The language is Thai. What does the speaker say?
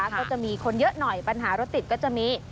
ก็จะมีคนเยอะหน่อยปัญหารถติดก็จะมี